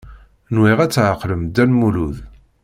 Nwiɣ ad tɛeqlem Dda Lmulud.